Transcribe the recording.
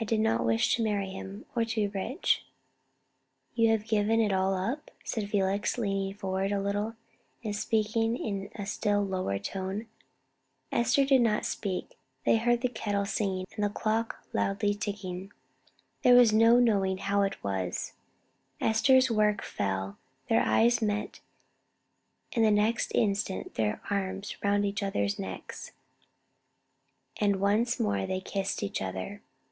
"I did not wish to marry him, or to be rich." "You have given it all up?" said Felix, leaning forward a little, and speaking in a still lower tone. Esther did not speak. They heard the kettle singing and the clock loudly ticking. There was no knowing how it was: Esther's work fell, their eyes met; and the next instant their arms were round each other's necks, and once more they kissed each other.